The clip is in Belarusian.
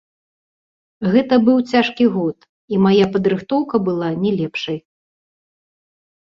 Гэта быў цяжкі год, і мая падрыхтоўка была не лепшай.